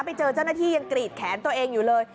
ไปเจอเจ้าหน้าที่ยังกรีดแขนตัวเองอยู่เลย